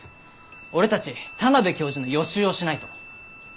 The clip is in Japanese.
俺たち田邊教授の予習をしないと。